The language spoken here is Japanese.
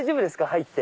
入って。